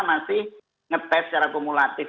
masih nge test secara kumulatif